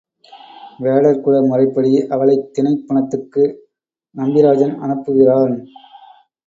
வேடர் குல முறைப்படி அவளைத் தினைப் புனத்துக்கு நம்பிராஜன் அனுப்புகிறான்.